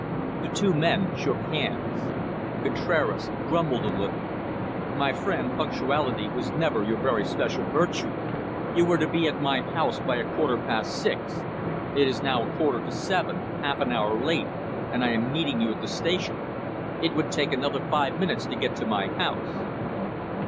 The two men shook hands. Contraras grumbled a little. "My friend, punctuality was never your very special virtue. You were to be at my house by a quarter past six. It is now a quarter to seven, half an hour late, and I am meeting you at the station. It would take another five minutes to get to my house."